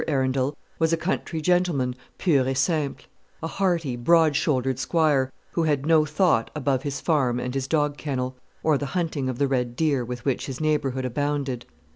Arundel was a country gentleman pur et simple; a hearty, broad shouldered squire, who had no thought above his farm and his dog kennel, or the hunting of the red deer with which his neighbourhood abounded.